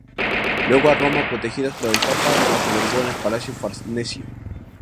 Luego a Roma, protegidas por el papa, que las albergó en el Palacio Farnesio.